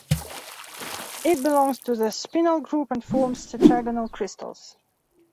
It belongs to the spinel group and forms tetragonal crystals.